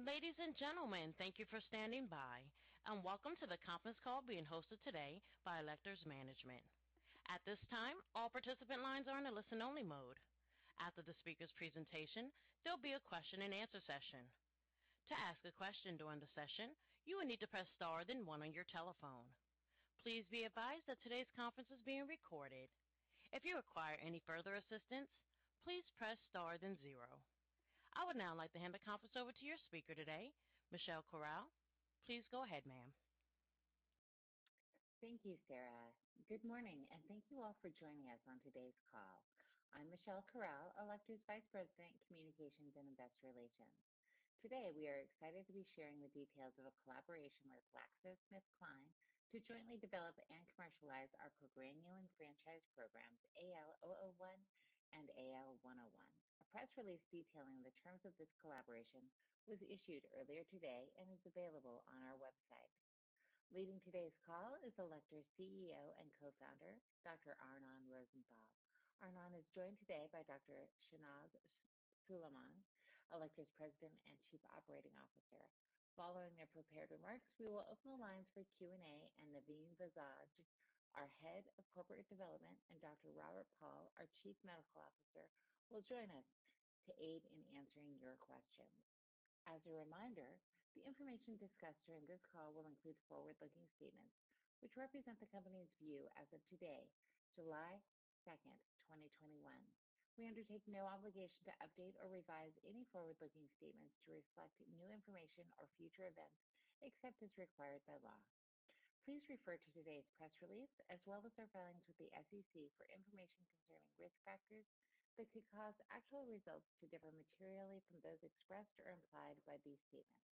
Ladies and gentlemen, thank you for standing by. Welcome to the conference call being hosted today by Alector's management. At this time, all participant lines are in a listen-only mode. After the speaker's presentation, there'll be a question-and-answer session. To ask a question during the session, you will need to press star then one on your telephone. Please be advised that today's conference is being recorded. If you require any further assistance, please press star then zero. I would now like to hand the conference over to your speaker today, Michelle Corral. Please go ahead, ma'am. Thank you, Sarah. Good morning, and thank you all for joining us on today's call. I'm Michelle Corral, Alector's vice president, communications and investor relations. Today, we are excited to be sharing the details of a collaboration with GlaxoSmithKline to jointly develop and commercialize our progranulin franchise programs, AL001 and AL101. A press release detailing the terms of this collaboration was issued earlier today and is available on our website. Leading today's call is Alector's CEO and Co-founder, Dr. Arnon Rosenthal. Arnon is joined today by Dr. Shehnaaz Suliman, Alector's President and Chief Operating Officer. Following their prepared remarks, we will open lines for Q&A, and Naveen Bazaj, our Head of Corporate Development, and Dr. Robert Paul, our Chief Medical Officer, will join us to aid in answering your questions. As a reminder, the information discussed during this call will include forward-looking statements, which represent the company's view as of today, July 2nd, 2021. We undertake no obligation to update or revise any forward-looking statements to reflect new information or future events, except as required by law. Please refer to today's press release as well as our filings with the SEC for information concerning risk factors that could cause actual results to differ materially from those expressed or implied by these statements.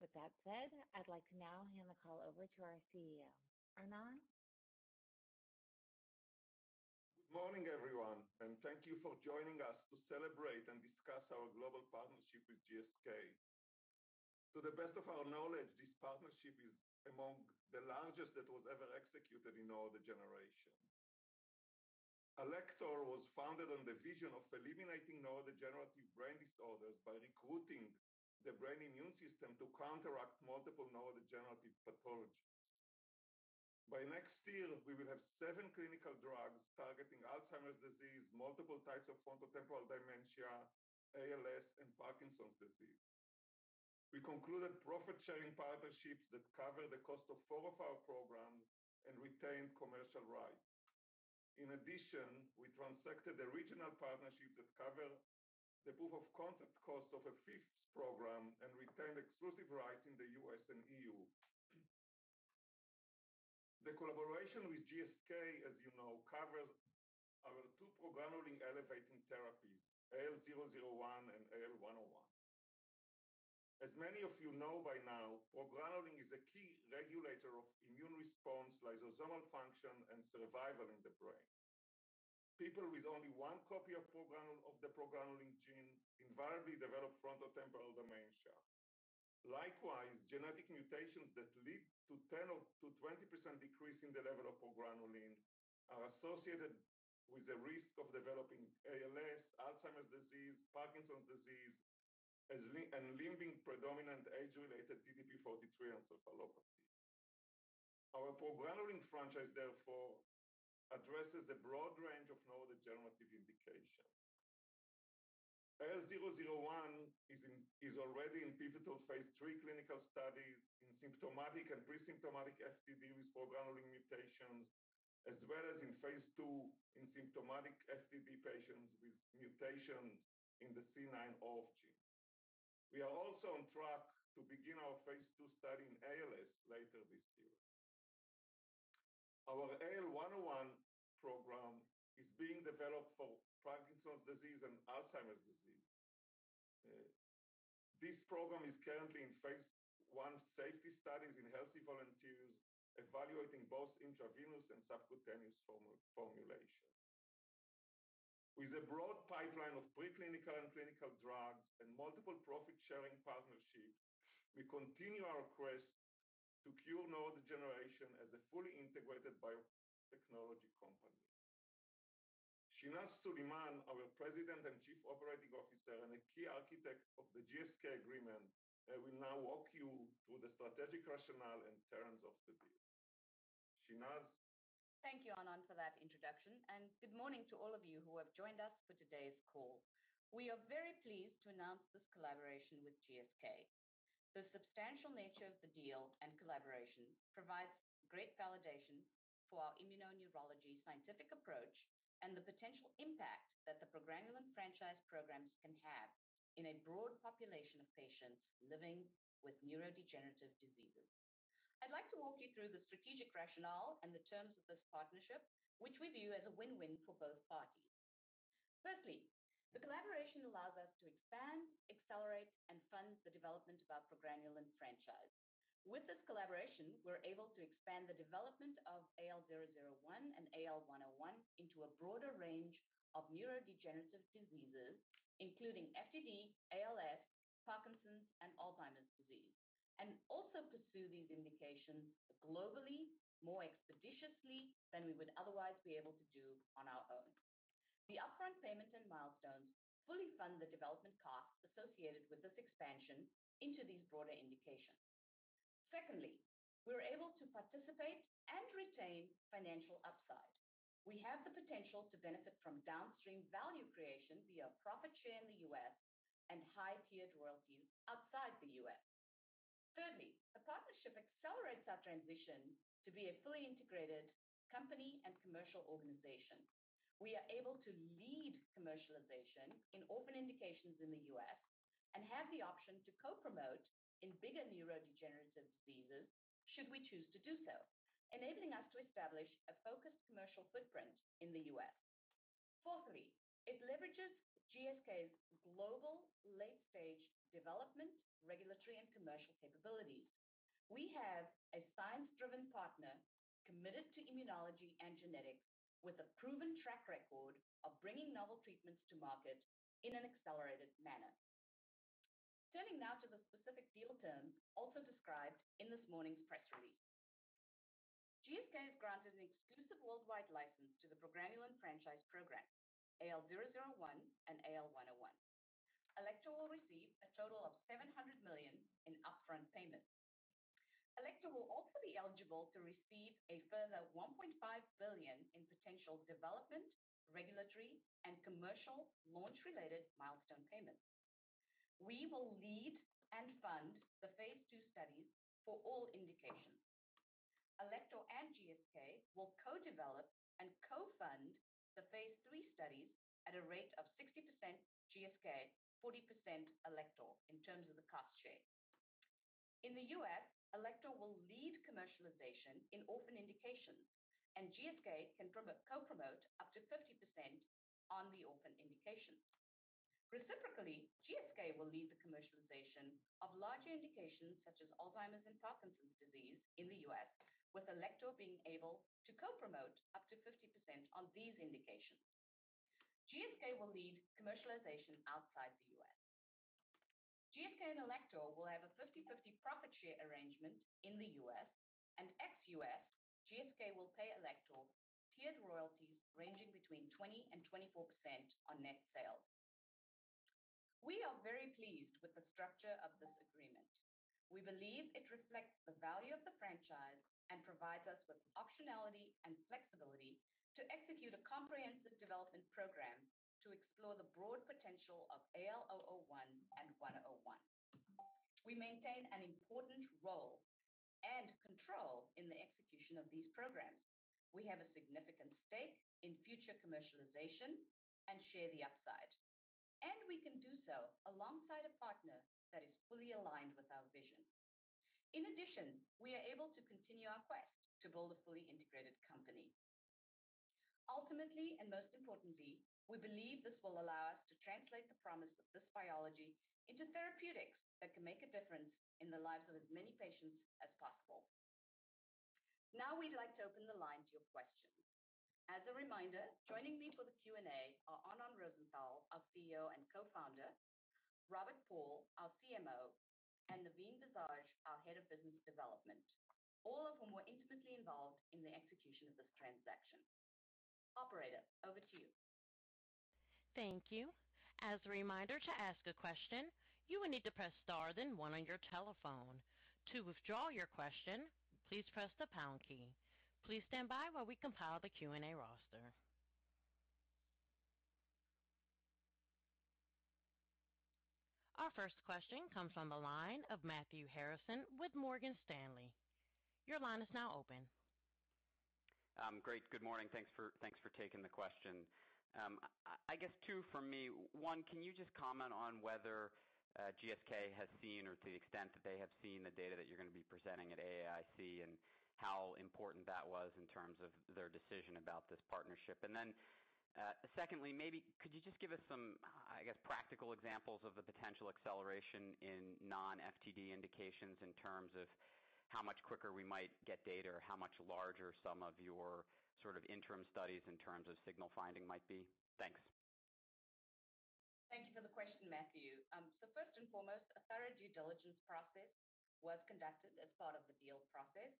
With that said, I'd like to now hand the call over to our CEO. Arnon? Good morning, everyone, and thank you for joining us to celebrate and discuss our global partnership with GSK. To the best of our knowledge, this partnership is among the largest that was ever executed in neurodegeneration. Alector was founded on the vision of eliminating neurodegenerative brain disorders by recruiting the brain immune system to counteract multiple neurodegenerative pathologies. By next year, we will have seven clinical drugs targeting Alzheimer's disease, multiple types of frontotemporal dementia, ALS, and Parkinson's disease. We concluded profit-sharing partnerships that cover the cost of four of our programs and retain commercial rights. In addition, we transacted regional partnerships that cover the proof of concept cost of a fifth program and retain exclusive rights in the U.S. and EU. The collaboration with GSK, as you know, covers our two progranulin elevating therapies, AL001 and AL101. As many of you know by now, progranulin is a key regulator of immune response, lysosomal function, and survival in the brain. People with only one copy of the progranulin gene invariably develop frontotemporal dementia. Likewise, genetic mutations that lead to 10%-20% decrease in the level of progranulin are associated with the risk of developing ALS, Alzheimer's disease, Parkinson's disease, and limbic-predominant age-related TDP-43 encephalopathy. Our progranulin franchise, therefore, addresses the broad range of neurodegenerative indications. AL001 is already in pivotal Phase III clinical studies in symptomatic and pre-symptomatic FTD with progranulin mutations, as well as in phase II in symptomatic FTD patients with mutations in the C9orf72 gene. We are also on track to begin our phase II study in ALS later this year. Our AL101 program is being developed for Parkinson's disease and Alzheimer's disease. This program is currently in phase I safety studies in healthy volunteers evaluating both intravenous and subcutaneous formulations. With a broad pipeline of pre-clinical and clinical drugs and multiple profit-sharing partnerships, we continue our quest to cure neurodegeneration as a fully integrated biotechnology company. Shehnaaz Suliman, our President and Chief Operating Officer, and a key architect of the GSK agreement, will now walk you through the strategic rationale and terms of the deal. Shehnaaz? Thank you, Arnon, for that introduction, and good morning to all of you who have joined us for today's call. We are very pleased to announce this collaboration with GSK. The substantial nature of the deal and collaboration provides great validation for our immuno-neurology scientific approach and the potential impact that the progranulin franchise programs can have in a broad population of patients living with neurodegenerative diseases. I'd like to walk you through the strategic rationale and the terms of this partnership, which we view as a win-win for both parties. Firstly, the collaboration allows us to expand, accelerate, and fund the development of our progranulin franchise. With this collaboration, we're able to expand the development of AL001 and AL101 into a broader range of neurodegenerative diseases, including FTD, ALS, Parkinson's, and Alzheimer's disease. Also pursue these indications globally more expeditiously than we would otherwise be able to do on our own. The upfront payments and milestones fully fund the development costs associated with this expansion into these broader indications. Secondly, we're able to participate and retain financial upside. We have the potential to benefit from downstream value creation via profit share in the U.S. and high-tiered royalties outside the U.S. Thirdly, the partnership accelerates our transition to be a fully integrated company and commercial organization. We are able to lead commercialization in orphan indications in the U.S. and have the option to co-promote in bigger neurodegenerative diseases should we choose to do so, enabling us to establish a focused commercial footprint in the U.S. Fourthly, it leverages GSK's global late-stage development, regulatory, and commercial capabilities. We have a science-driven partner committed to immunology and genetics with a proven track record of bringing novel treatments to market in an accelerated manner. Turning now to the specific deal terms also described in this morning's press release. GSK is granted an exclusive worldwide license to the program and franchise programs, AL001 and AL101. Alector will receive a total of $700 million in upfront payments. Alector will also be eligible to receive a further $1.5 billion in potential development, regulatory, and commercial launch-related milestone payments. We will lead and fund the phase II studies for all indications. Alector and GSK will co-develop and co-fund the phase III studies at a rate of 60% GSK, 40% Alector in terms of the cost share. In the U.S., Alector will lead commercialization in orphan indications, and GSK can promote co-promote up to 30% on the orphan indications. Reciprocally, GSK will lead the commercialization of larger indications such as Alzheimer's and Parkinson's disease in the U.S., with Alector being able to co-promote up to 50% on these indications. GSK will lead commercialization outside the U.S. GSK and Alector will have a 50/50 profit share arrangement in the U.S., and ex-U.S., GSK will pay Alector tiered royalties ranging between 20%-24% on net sales. We are very pleased with the structure of this agreement. We believe it reflects the value of the franchise and provides us with optionality and flexibility to execute a comprehensive development program to explore the broad potential of AL001 and AL101. We maintain an important role and control in the execution of these programs. We have a significant stake in future commercialization and share the upside, and we can do so alongside a partner that is fully aligned with our vision. We are able to continue our quest to build a fully integrated company. We believe this will allow us to translate the promise of this biology into therapeutics that can make a difference in the lives of as many patients as possible. We'd like to open the line to your questions. As a reminder, joining me for the Q&A are Arnon Rosenthal, our CEO and Co-founder, Robert Paul, our CMO, and Naveen Bazaj, our Head of Business Development, all of whom were intimately involved in the execution of this transaction. Operator, over to you. As a reminder to ask a question, you will need to press star then one on your telephone. To withdraw your question, please press the pound key. Please stand by while we compile the Q&A roster. Our first question comes from the line of Matthew Harrison with Morgan Stanley. Great. Good morning. Thanks for taking the question. I guess two from me. One, can you just comment on whether GSK has seen or to the extent that they have seen the data that you're going to be presenting at AAIC and how important that was in terms of their decision about this partnership? Secondly, could you just give us some practical examples of the potential acceleration in non-FTD indications in terms of how much quicker we might get data or how much larger some of your sort of interim studies in terms of signal finding might be? Thanks. Thank you for the question, Matthew. First and foremost, a thorough due diligence process was conducted as part of the deal process,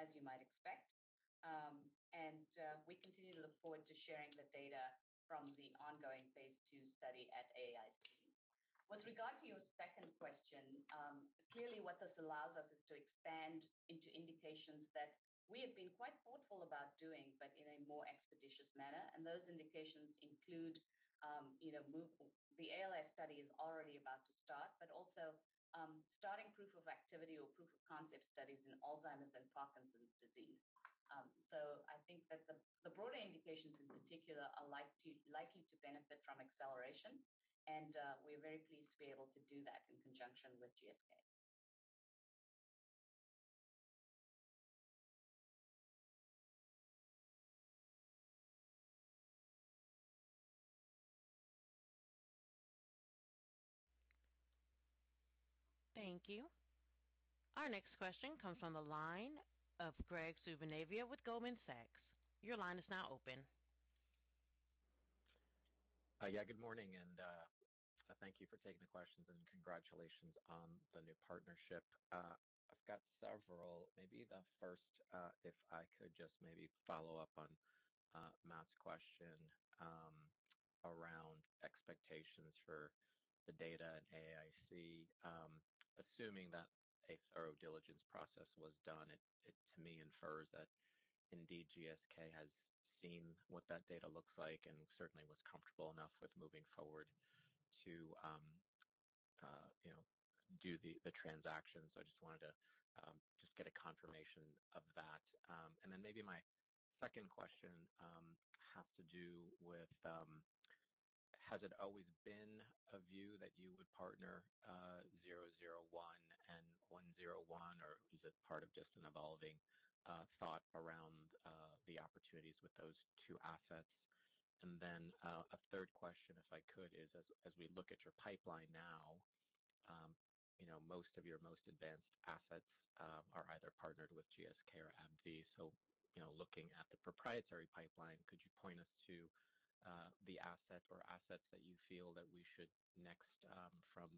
as you might expect. We continue to look forward to sharing the data from the ongoing phase II study at AAIC. With regard to your second question, clearly what this allows us is to expand into indications that we have been quite thoughtful about doing but in a more expeditious manner. Those indications include the ALS study is already about to start, but also starting proof of activity or proof of concept studies in Alzheimer's and Parkinson's disease. I think that the broader indications in particular are likely to benefit from acceleration, and we're very pleased to be able to do that in conjunction with GSK. Thank you. Our next question comes from the line of Graig Suvannavejh with Goldman Sachs. Your line is now open Yeah. Good morning. Thank you for taking the questions and congratulations on the new partnership. I've got several. Maybe the first, if I could just maybe follow up on Matt's question around expectations for the data at AAIC. Assuming that a thorough diligence process was done, it to me infers that indeed GSK has seen what that data looks like and certainly was comfortable enough with moving forward to do the transaction. I just wanted to just get a confirmation of that. Maybe my second question has to do with has it always been a view that you would partner AL001 and AL101 or was it part of just an evolving thought around the opportunities with those two assets? Then a third question, if I could, is as we look at your pipeline now, most of your most advanced assets are either partnered with GSK or AbbVie. Looking at the proprietary pipeline, could you point us to the asset or assets that you feel that we should next from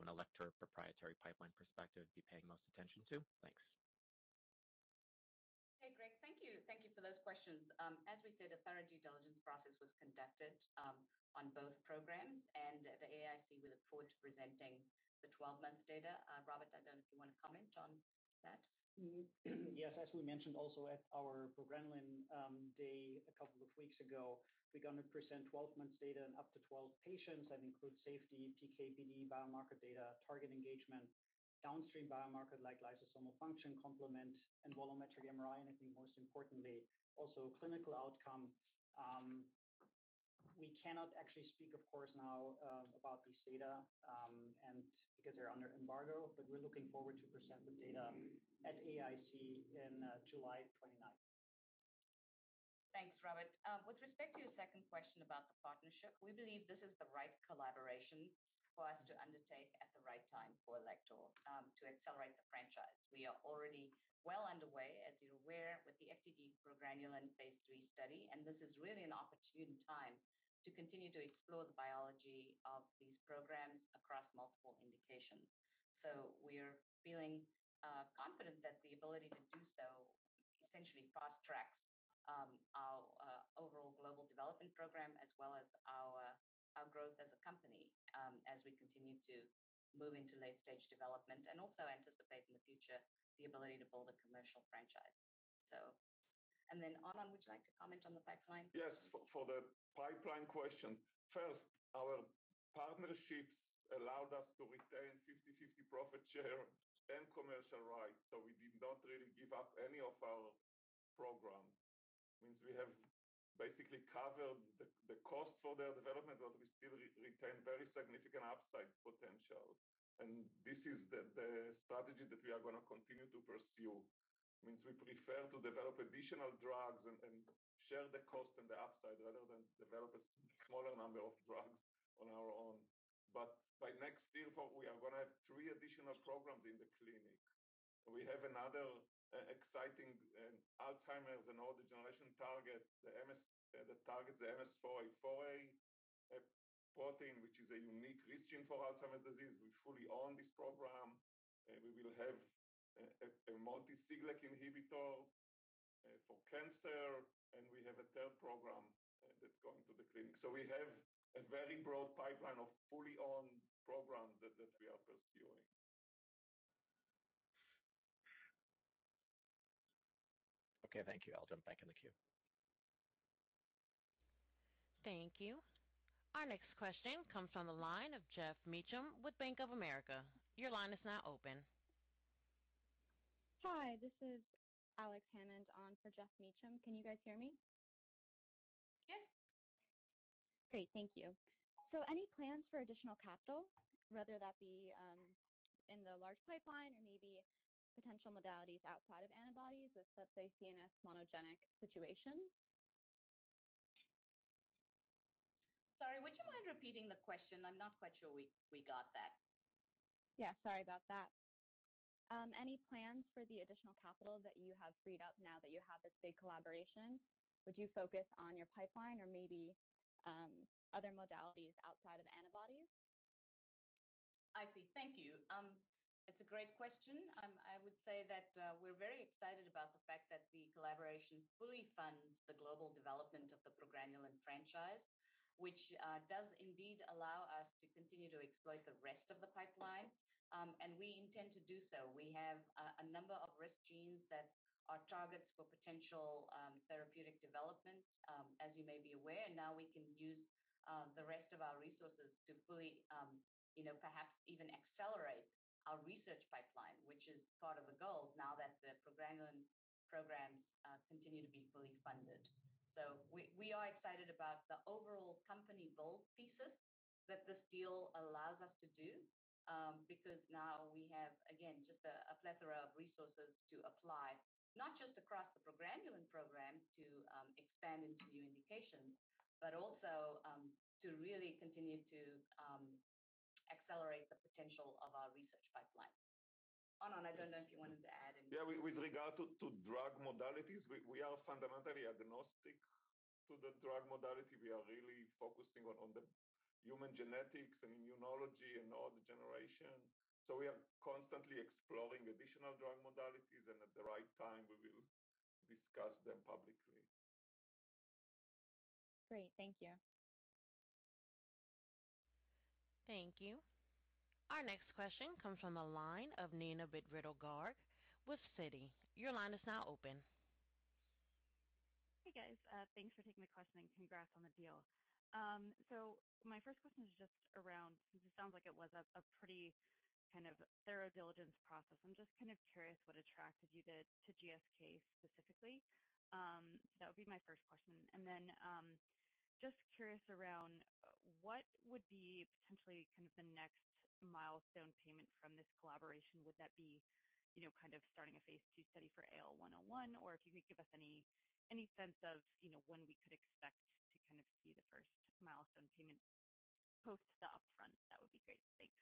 an Alector proprietary pipeline perspective be paying most attention to? Thanks. Hey, Graig. Thank you for those questions. As we said, a thorough due diligence process was conducted on both programs and at AAIC we look forward to presenting the 12-month data. Robert, I don't know if you want to comment on that? Yes. As we mentioned also at our progranulin day a couple of weeks ago, we're going to present 12 months data in up to 12 patients that include safety, PK/PD biomarker data, target engagement, downstream biomarker like lysosomal function complement and volumetric MRI. I think most importantly, also clinical outcomes. We cannot actually speak, of course now about these data because they're under embargo. We're looking forward to present the data at AAIC in July 29th. Thanks, Robert. With respect to your second question about the partnership, we believe this is the right collaboration for us to undertake at the right time for Alector to accelerate the franchise. We are already well underway, as you're aware, with the FTD progranulin phase III study, and this is really an opportune time to continue to explore the biology of these programs across multiple indications. We're feeling confident that the ability to do so essentially fast-tracks our overall global development program as well as our growth as a company as we continue to move into late-stage development and also anticipate in the future the ability to build a commercial franchise. Arnon, would you like to comment on the pipeline? Yes. For the pipeline question, first, our partnerships allowed us to retain 50/50 profit share and commercial rights. We did not really give up any of our programs. Means we have basically covered the cost for their development, but we still retain very significant upside potential, and this is the strategy that we are going to continue to pursue. Means we prefer to develop additional drugs and share the cost and the upside rather than develop a smaller number of drugs on our own. By next year, we are going to have three additional programs in the clinic. We have another exciting Alzheimer's and neurodegeneration target that targets the MS4A4A, which is a unique hit gene for Alzheimer's disease. We fully own this program, and we will have a multi-siglec inhibitor for cancer, and we have a TALE program that's going to the clinic. We have a very broad pipeline of fully owned programs that we are pursuing. Okay. Thank you. I'll jump back in the queue. Thank you. Our next question comes from the line of Geoff Meacham with Bank of America. Your line is now open. Hi, this is Alex Hammond on for Geoff Meacham. Can you guys hear me? Yes. Great. Thank you. Any plans for additional capital, whether that be in the large pipeline or maybe potential modalities outside of antibodies, let's say CNS monogenic situations? Sorry, would you mind repeating the question? I'm not quite sure we got that. Yeah, sorry about that. Any plans for the additional capital that you have freed up now that you have this big collaboration? Would you focus on your pipeline or maybe other modalities outside of antibodies? I see. Thank you. It's a great question. I would say that we're very excited about the fact that the collaboration fully funds the global development of the progranulin franchise, which does indeed allow us to continue to exploit the rest of the pipeline. We intend to do so. We have a number of risk genes that are targets for potential therapeutic development, as you may be aware. Now we can use the rest of our resources to fully perhaps even accelerate our research pipeline, which is part of the goal now that the progranulin program continue to be fully funded. We are excited about the overall company bold thesis that this deal allows us to do because now we have, again, just a plethora of resources to apply, not just across the progranulin program to expand into new indications, but also to really continue to accelerate the potential of our research pipeline. I don't know if you wanted to add anything. With regard to drug modalities, we are fundamentally agnostic to the drug modality. We are really focusing on the human genetics and immunology and neurodegeneration. We are constantly exploring additional drug modalities, and at the right time, we will discuss them publicly. Great. Thank you. Thank you. Our next question comes from the line of Neena Bitritto-Garg with Citi. Your line is now open. Hey, guys. Thanks for taking my question, and congrats on the deal. My first question is just around, since it sounds like it was a pretty thorough diligence process, I'm just curious what attracted you guys to GSK specifically? That would be my first question. Just curious around what would be potentially the next milestone payment from this collaboration? Would that be starting a phase II study for AL101? If you could give us any sense of when we could expect to see the first milestone payment post the upfront, that would be great. Thanks.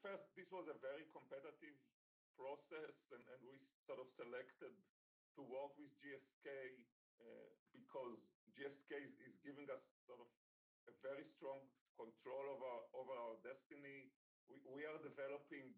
First, this was a very competitive process, and we selected to work with GSK because GSK is giving us a very strong control over our destiny. We are developing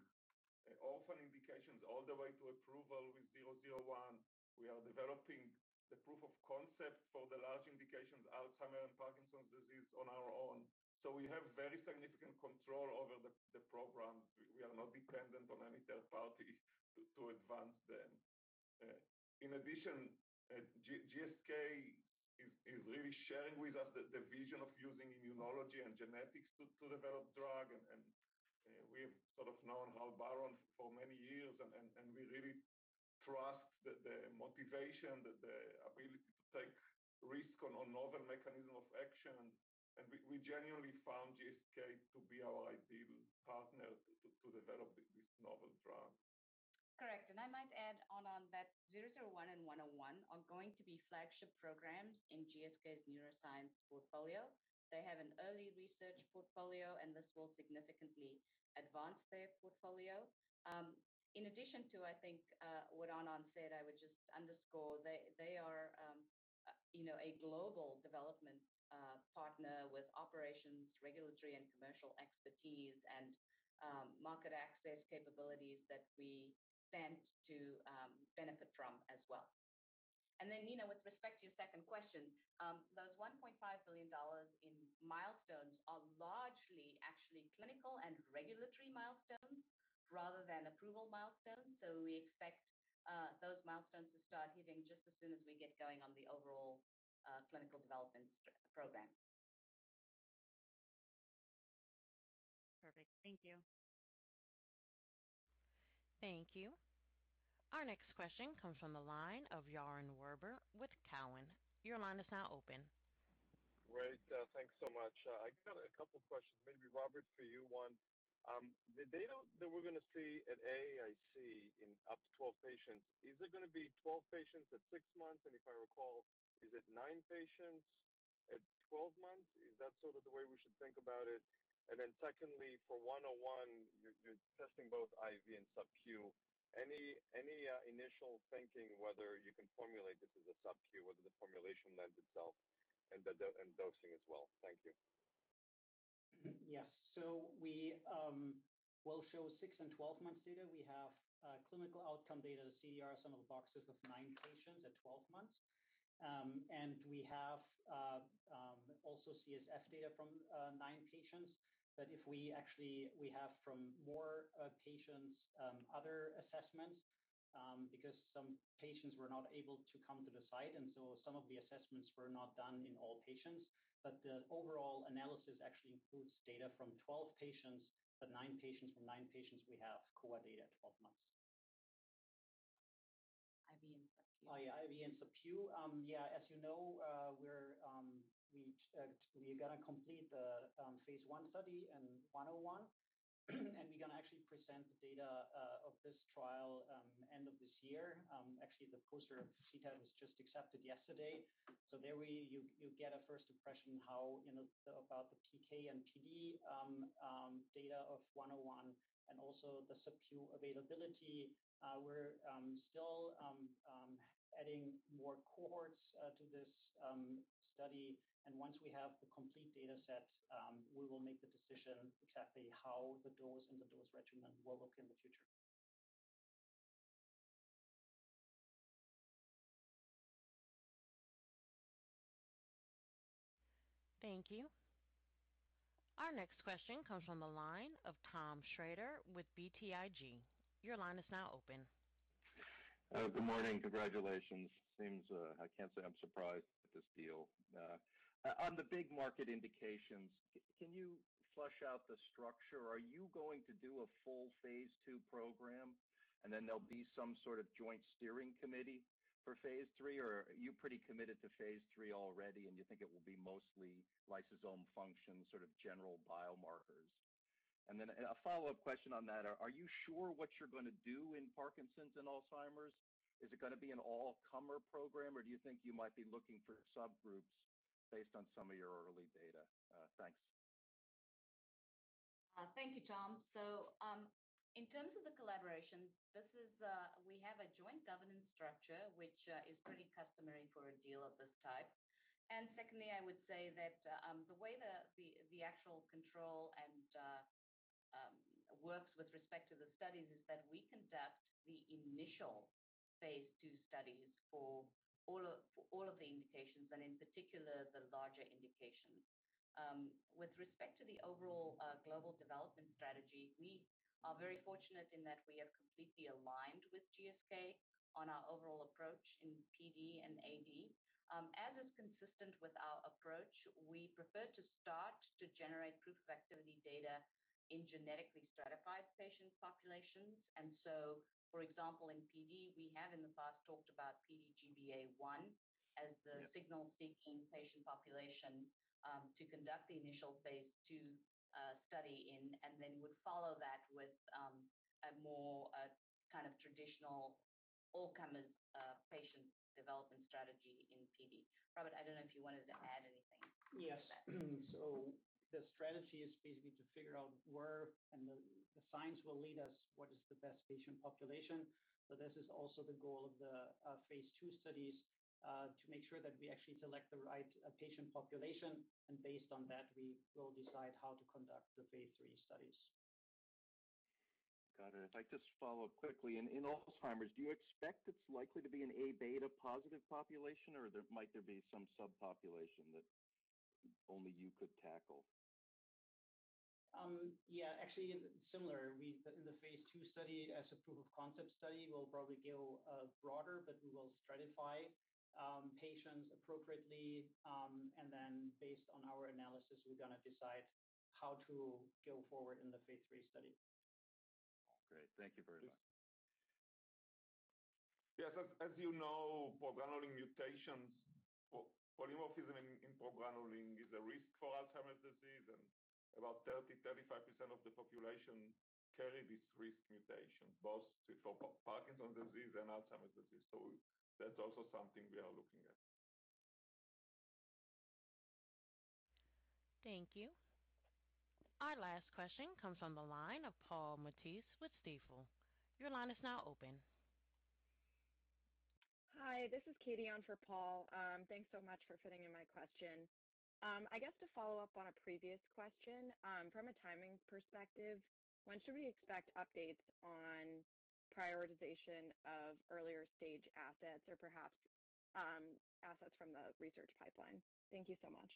orphan indications all the way to approval with AL001. We are developing the proof of concept for the large indications, Alzheimer's and Parkinson's disease, on our own. We have very significant control over the programs. We are not dependent on any third party to advance them. In addition, GSK is really sharing with us the vision of using immunology and genetics to develop drug. We have known Hal Barron for many years, and we really trust the motivation, the ability to take risk on a novel mechanism of action. We generally found GSK to be our ideal partner to develop these novel drugs. Correct. I might add on that AL001 and AL101 are going to be flagship programs in GSK's neuroscience portfolio. They have an early research portfolio, and this will significantly advance their portfolio. In addition to, I think, what Arnon said, I would just underscore they are a global development partner with operations, regulatory, and commercial expertise and market access capabilities that we stand to benefit from as well. Neena, with respect to your second question, those $1.5 billion in milestones are largely actually clinical and regulatory milestones rather than approval milestones. We expect those milestones to start hitting just as soon as we get going on the overall clinical development program. Perfect. Thank you. Thank you. Our next question comes from the line of Yaron Werber with Cowen. Your line is now open. Great. Thanks so much. I got a couple questions, maybe Robert for you one. The data that we're going to see at AAIC in up to 12 patients, is it going to be 12 patients at six months? If I recall, is it nine patients at 12 months? Is that sort of the way we should think about it? Then secondly, for AL101, you're testing both IV and subq. Any initial thinking whether you can formulate this as a subq, whether the formulation lends itself and dosing as well? Thank you. Yes. We will show six and 12 months data. We have clinical outcome data, CDR Sum of Boxes of nine patients at 12 months. We have also CSF data from nine patients. If we actually have from more patients other assessments, because some patients were not able to come to the site, some of the assessments were not done in all patients. The overall analysis actually includes data from 12 patients, but nine patients and nine patients, we have core data at 12 months. IV and subq. IV and subq. As you know, we're going to complete the phase I study in AL101. We're going to actually present the data of this trial end of this year. Actually, the poster at CTAD was just accepted yesterday. There you'll get a first impression about the TK and PD data of AL101 and also the subq availability. We're still adding more cohorts to this study. Once we have the complete data sets, we will make the decision exactly how the dose and the dose regimen will work in the future. Thank you. Our next question comes from the line of Tom Shrader with BTIG. Good morning. Congratulations. I can't say I'm surprised at this deal. On the big market indications, can you flesh out the structure? Are you going to do a full phase II program, then there'll be some sort of joint steering committee for phase III? Are you pretty committed to phase III already, and you think it will be mostly lysosome function, sort of general biomarkers? A follow-up question on that, are you sure what you're going to do in Parkinson's and Alzheimer's? Is it going to be an all-comer program, or do you think you might be looking for subgroups based on some of your early data? Thanks. Thank you, Tom. In terms of the collaboration, we have a joint governance structure, which is pretty customary for a deal of this type. Secondly, I would say that the way the actual control and works with respect to the studies is that we conduct the initial phase II studies for all of the indications and in particular, the larger indications. With respect to the overall global development strategy, we are very fortunate in that we are completely aligned with GSK on our overall approach in PD and AD. As is consistent with our approach, we prefer to start to generate proof of activity data in genetically stratified patient populations. For example, in PD, we have in the past talked about PD GBA1 as the signal-seeking patient population to conduct the initial phase II study and then would follow that with a more traditional all-comer patient development strategy in PD. Robert, I don't know if you wanted to add anything to that. Yes. The strategy is basically to figure out where the science will lead us, what is the best patient population. This is also the goal of the phase II studies to make sure that we actually collect the right patient population, and based on that, we will decide how to conduct the phase III studies. Got it. If I could just follow up quickly. In Alzheimer's, do you expect it is likely to be an Aβ positive population, or might there be some subpopulation that only you could tackle? Yeah. Actually, similar. In the phase II study as a proof of concept study, we'll probably go broader, but we will stratify patients appropriately, and then based on our analysis, we're going to decide how to go forward in the phase III study. Okay. Thank you very much. Yes. As you know, progranulin mutations, polymorphism in progranulin is a risk for Alzheimer's disease. About 30%, 35% of the population carry this risk mutation, both for Parkinson's disease and Alzheimer's disease. That's also something we are looking at. Thank you. Our last question comes on the line of Paul Matteis with Stifel. Your line is now open. Hi, this is Katie on for Paul. Thanks so much for fitting in my question. I guess to follow up on a previous question, from a timing perspective, when should we expect updates on prioritization of earlier-stage assets or perhaps assets from the research pipeline? Thank you so much.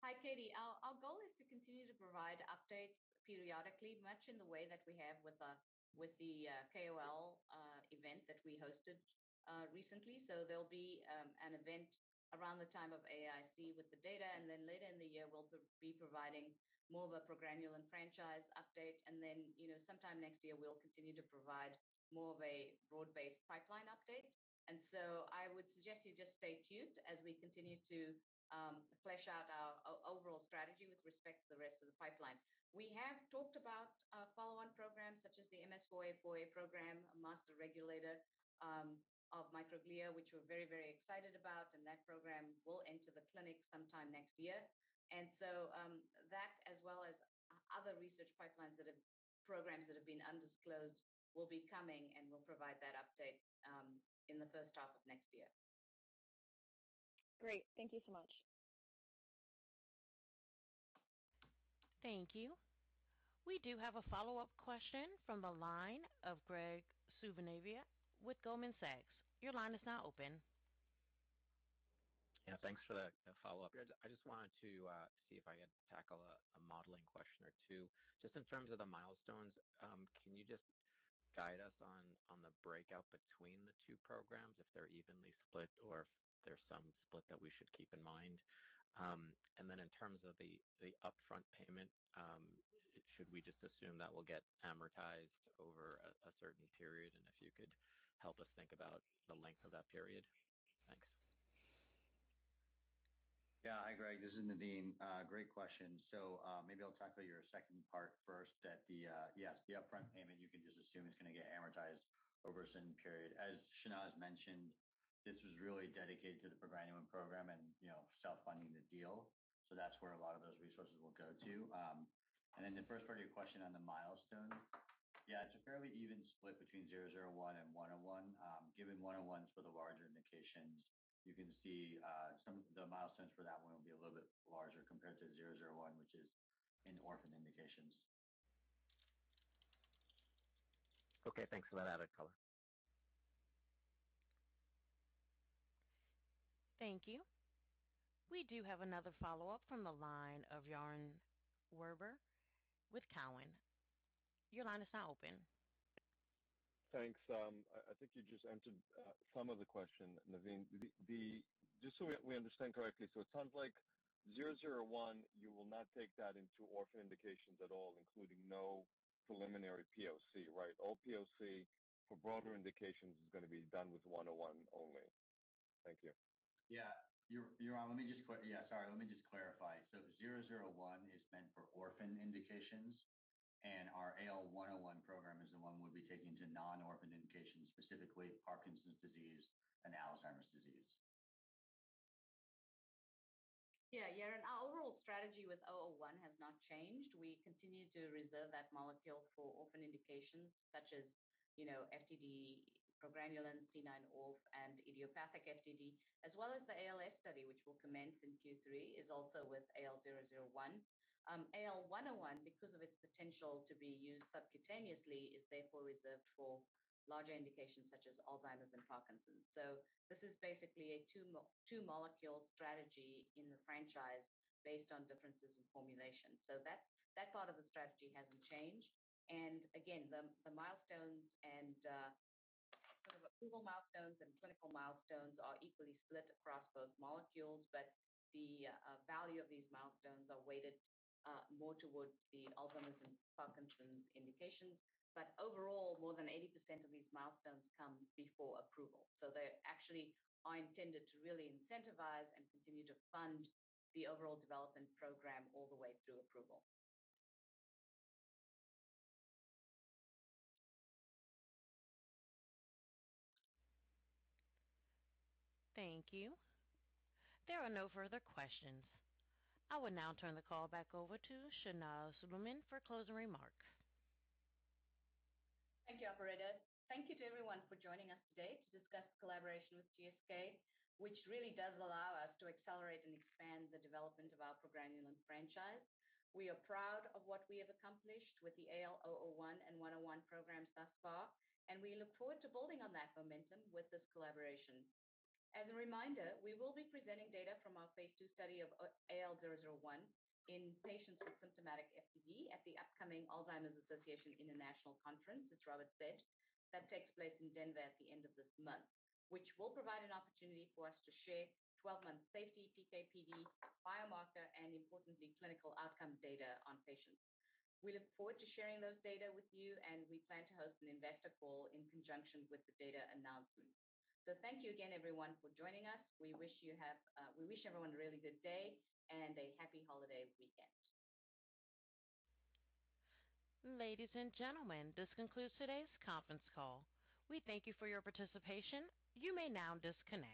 Hi, Katie. Our goal is to continue to provide updates periodically, much in the way that we have with the KOL event that we hosted recently. There'll be an event around the time of AAIC with the data, then later in the year, we'll be providing more of a progranulin franchise update, then sometime next year, we'll continue to provide more of a broad-based pipeline update. I would suggest you just stay tuned as we continue to flesh out our overall strategy with respect to the rest of the pipeline. We have talked about follow-on programs such as the MS4A4A program, a master regulator of microglia, which we're very excited about, and that program will enter the clinic sometime next year. That as well as other research pipelines that have programs that have been undisclosed will be coming, and we'll provide that update in the first half of next year. Great. Thank you so much. Thank you. We do have a follow-up question from the line of Graig Suvannavejh with Goldman Sachs. Your line is now open. Yeah. Thanks for the follow-up. I just wanted to see if I could tackle a modeling question or two. Just in terms of the milestones, can you just guide us on the breakout between the two programs, if they're evenly split or if there's some split that we should keep in mind? Then in terms of the upfront payment, should we just assume that will get amortized over a certain period? If you could help us think about the length of that period. Thanks. Hi, Graig, this is Naveen. Great question. Maybe I'll tackle your second part first, yes, the upfront payment, you can just assume it's going to get amortized over a certain period. As Shehnaaz has mentioned, this was really dedicated to the progranulin program and self-funding the deal. That's where a lot of those resources will go to. In the first part of your question on the milestone, it's a fairly even split between AL001 and AL101, given AL101's for the larger indications. You can see the milestones for that one will be a little bit larger compared to AL001, which is in orphan indications. Okay. Thanks for that, Alector. Thank you. We do have another follow-up from the line of Yaron Werber with Cowen. Your line is now open. Thanks. I think you just answered some of the question, Naveen. Just so we understand correctly, it sounds like AL001, you will not take that into orphan indications at all, including no preliminary POC, right? All POC for broader indications is going to be done with AL101 only. Thank you. Yeah. Yaron, sorry, let me just clarify. 001 is meant Orphan indications. Our AL101 program is the one we'll be taking to non-orphan indications, specifically Parkinson's disease and Alzheimer's disease. Yeah. Our overall strategy with AL001 has not changed. We continue to reserve that molecule for orphan indications such as FTD, progranulin, C9orf72, and idiopathic FTD, as well as the ALS study, which will commence in Q3, is also with AL001. AL101, because of its potential to be used subcutaneously, is therefore reserved for larger indications such as Alzheimer's and Parkinson's. This is basically a two molecule strategy in the franchise based on differences in formulation. That part of the strategy hasn't changed. Again, the approval milestones and clinical milestones are equally split across those molecules. The value of these milestones are weighted more towards the Alzheimer's and Parkinson's indications. Overall, more than 80% of these milestones come before approval. They actually are intended to really incentivize and continue to fund the overall development program all the way through approval. Thank you. There are no further questions. I will now turn the call back over to Shehnaaz Suliman for closing remarks. Thank you, operator. Thank you to everyone for joining us today to discuss the collaboration with GSK, which really does allow us to accelerate and expand the development of our progranulin franchise. We are proud of what we have accomplished with the AL001 and AL101 programs thus far. We look forward to building on that momentum with this collaboration. As a reminder, we will be presenting data from our phase II study of AL001 in patients with symptomatic FTD at the upcoming Alzheimer's Association International Conference, it's rather large, that takes place in Denver at the end of this month, which will provide an opportunity for us to share 12-month safety, PK/PD, biomarker, and importantly, clinical outcome data on patients. We look forward to sharing those data with you. We plan to host an investor call in conjunction with the data announcement. Thank you again, everyone, for joining us. We wish everyone a really good day and a happy holidays weekend. Ladies and gentlemen, this concludes today's conference call. We thank you for your participation. You may now disconnect.